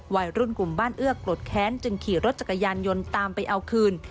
วัยรุ่นกลุ่มบ้านเอื้อโกรธแค้นจึงขี่รถจักรยานยนต์ตามไปเอาคืน